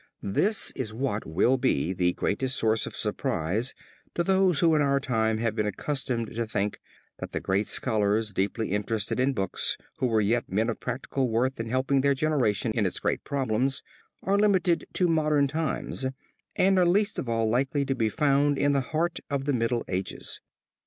This is what will be the greatest source of surprise to those who in our time have been accustomed to think, that the great scholars deeply interested in books who were yet men of practical worth in helping their generation in its great problems, are limited to modern times and are least of all likely to be found in the heart of the Middle Ages.